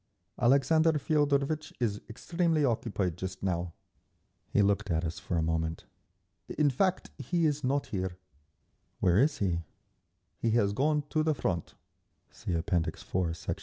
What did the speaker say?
"Alexander Feodorvitch is extremely occupied just now…." He looked at us for a moment. "In fact, he is not here…." "Where is he?" "He has gone to the Front. (See App. IV, Sect.